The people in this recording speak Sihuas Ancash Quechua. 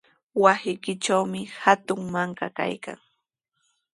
Wasiykitrawmi hatun mankaa kaykan.